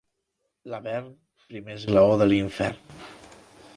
Lavern, primer esglaó de l'infern.